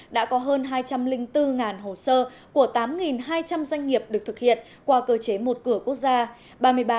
đã có hơn hai trăm linh bốn hồ sơ của tám hai trăm linh doanh nghiệp được thực hiện qua cơ chế một cửa quốc gia